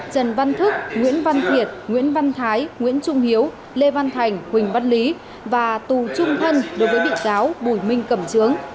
trần văn thức nguyễn văn thiệt nguyễn văn thái nguyễn trung hiếu lê văn thành huỳnh văn lý và tù trung thân đối với bị cáo bùi minh cẩm trướng